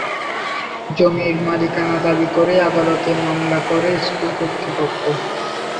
জমির মালিকানা দাবি করে আদালতে মামলা করে স্কুল কর্তৃপক্ষ।